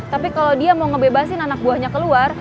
tapi kalau dia mau ngebebasin anak buahnya keluar